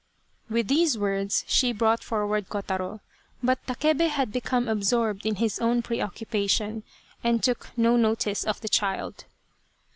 With these words she brought forward Kotaro, but Takebe had become absorbed in his own preoccupation, and took no notice of the child.